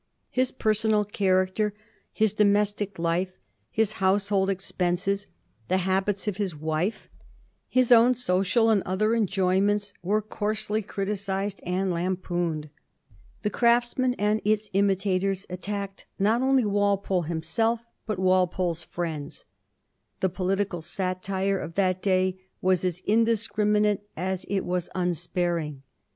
His personal character, his domestic life, his household expenses, the habits of his wife, his own social and other enjoyments, were coarsely criticised and lampooned. The Craftsman and its imitators attacked not only Walpole himself, but Walpole's friends. The political satire of that day was as indiscriminate as it was unsparing.